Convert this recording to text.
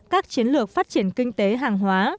các chiến lược phát triển kinh tế hàng hóa